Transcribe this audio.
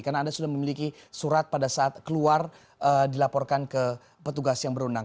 karena anda sudah memiliki surat pada saat keluar dilaporkan ke petugas yang berundang